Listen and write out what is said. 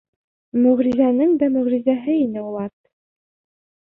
Мөғжизәнең дә мөғжизәһе ине ул ат.